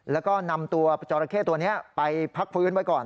แล้วก็นำตัวจอราเข้ตัวนี้ไปพักฟื้นไว้ก่อน